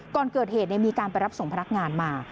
ก่อนเกิดเหตุมีการไปรับส่งพนักงานมา